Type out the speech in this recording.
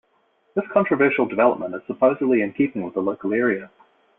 This controversial development is supposedly in keeping with the local area.